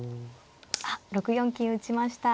あっ６四金打ちました。